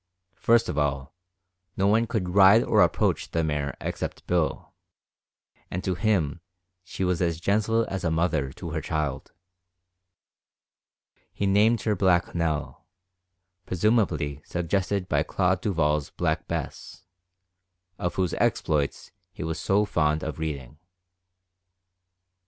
First of all, no one could ride or approach the mare except Bill, and to him she was as gentle as a mother to her child. He named her Black Nell, presumably suggested by Claude Duval's Black Bess, of whose exploits he was so fond of reading.